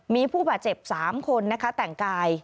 มีผู้บาดเจ็บ๓คนนะคะแต่งกาย